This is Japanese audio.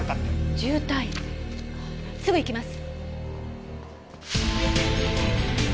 重体すぐ行きます。